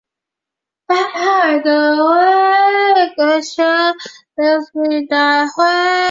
他因与安息缔结停战和约并联盟与塞琉西帝国对抗而为人所知。